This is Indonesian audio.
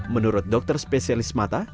menurut dokter spesialis mata